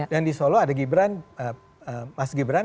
dan di solo ada mas gibran